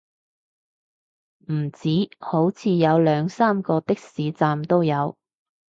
唔止，好似有兩三個的士站都有